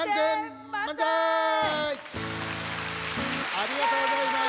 ありがとうございます。